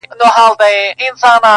د انغري له خوانه خړې سونډې بيا راغلله,